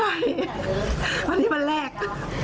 วันนี้วันแรก